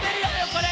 これ。